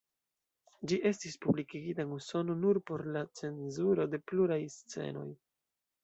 Ĝi estis publikigita en Usono nur post la cenzuro de pluraj scenoj.